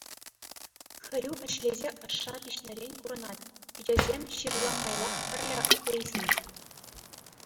Хӗрӳ ӗҫлесе ӑшша пиҫнӗрен курӑнать, пичӗсем ҫырла майлах хӗрлӗ хӑисен.